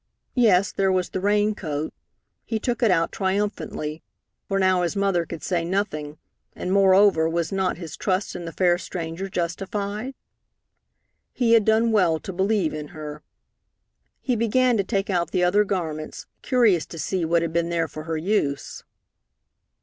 Yes, there was the rain coat. He took it out triumphantly, for now his mother could say nothing, and, moreover, was not his trust in the fair stranger justified? He had done well to believe in her. He began to take out the other garments, curious to see what had been there for her use.